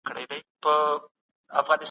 د همږغۍ له پاره بايد متقابل تفاهم شتون ولري.